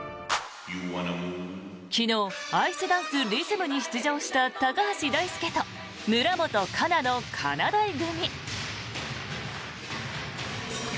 昨日、アイスダンスリズムに出場した高橋大輔と村元哉中のかなだい組。